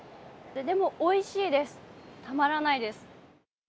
でもおいしいです、たまらないです。